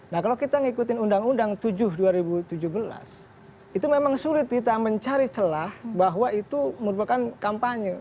nah kalau kita ngikutin undang undang tujuh dua ribu tujuh belas itu memang sulit kita mencari celah bahwa itu merupakan kampanye